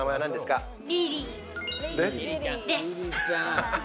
リリーです。